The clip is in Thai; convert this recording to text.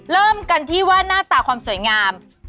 เริ่มกันที่ว่าหน้าตาความสวยงาม